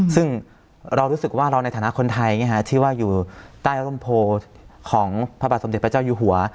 ซึ่งเรารู้สึกว่าเราในฐานะคนไทยที่ว่าอยู่ใต้ร่มโพของพระบาทสมเด็จพระเจ้าอยู่หัว